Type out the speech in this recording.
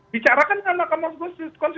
bicarakan dengan mahkamah konstitusi